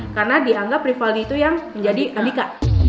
karena dianggap rival itu yang menjadi adika